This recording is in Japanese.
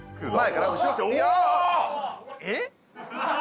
えっ？